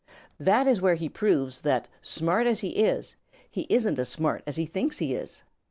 That is where he proves that smart as he is, he isn't as smart as he thinks he is.